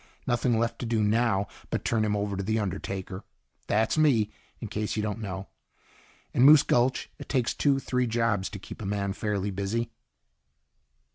Nothing left to do now but turn him over to the undertaker. That's me, in case you don't know. In Moose Gulch it takes two, three jobs to keep a man fairly busy."